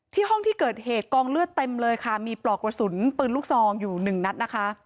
ห้องที่เกิดเหตุกองเลือดเต็มเลยค่ะมีปลอกกระสุนปืนลูกซองอยู่หนึ่งนัดนะคะ